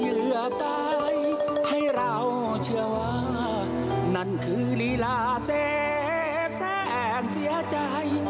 เหยื่อไปให้เราเชื่อว่านั่นคือลีลาแซกเสียใจ